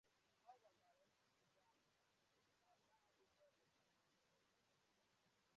ọ gwakwàrà ụmụakwụkwọ ahụ na ọba akwụkwọ bụ maka onye ọbụla